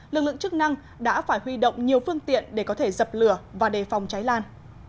lực lượng chức năng đã phải huy động nhiều phương tiện để có thể dập lửa và đề phòng cháy lan